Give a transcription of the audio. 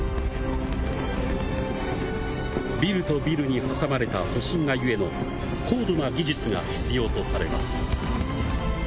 ビルとビルに挟まれた都心がゆえの、高度な技術が必要とされます。